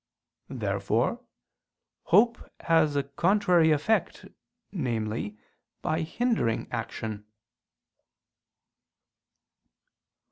Therefore hope has a contrary effect, namely, by hindering action.